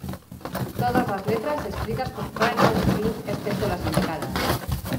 Todas las letras escritas por Primal Scream, excepto las indicadas.